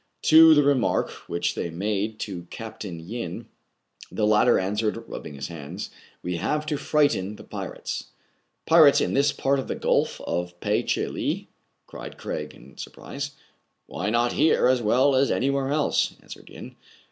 To the remark which they made to Capt. Yin, the latter answered, rubbing his hands, — 4* We have to frighten the pirates.'* "Pirates in this part of the Gulf of Pe che lee !" cried Craig, in surprise. "Why not here as well as anywhere else.^" answered Yin.